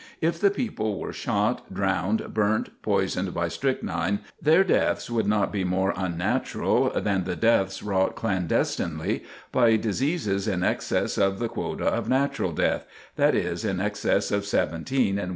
If the people were shot, drowned, burnt, poisoned by strychnine, their deaths would not be more unnatural than the deaths wrought clandestinely by diseases in excess of the quota of natural death that is, in excess of seventeen in 1,000 living."